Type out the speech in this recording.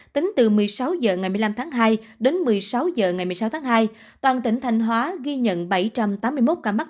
tính từ một mươi sáu h ngày một mươi năm tháng hai đến một mươi sáu h ngày một mươi sáu tháng hai toàn tỉnh thanh hóa ghi nhận bảy trăm tám mươi một ca mắc